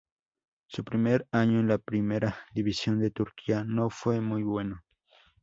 Su primer año en la Primera División de Turquía no fue muy bueno.